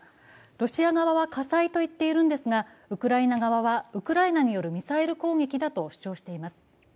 ロシア側は火災と言っているのですがウクライナ側はウクライナによるミサイル攻撃だと主張しています。